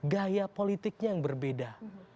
gaya politiknya yang berbeda